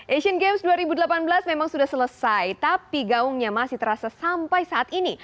asian games dua ribu delapan belas memang sudah selesai tapi gaungnya masih terasa sampai saat ini